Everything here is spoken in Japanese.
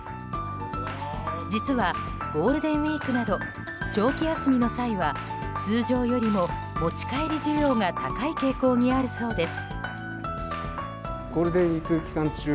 実は、ゴールデンウィークなど長期休みの際は通常よりも持ち帰り需要が高い傾向にあるそうです。